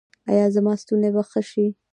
ایا زما ستونی به ښه شي؟